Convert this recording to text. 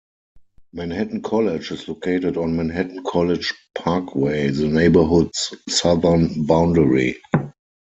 Manhattan College is located on Manhattan College Parkway, the neighborhood's southern boundary.